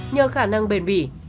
nhờ khả năng bền bỉ